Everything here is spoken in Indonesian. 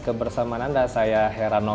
kebersamaan anda saya herano